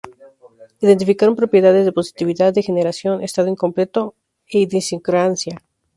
Identificaron propiedades de positividad, degeneración, estado incompleto e idiosincrasia.